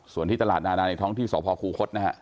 ส่วนที่ตลาดนานาในท้องที่สพคูคศนะฮะ